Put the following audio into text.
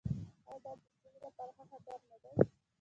آیا دا د سیمې لپاره ښه خبر نه دی؟